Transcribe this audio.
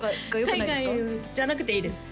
海外じゃなくていいです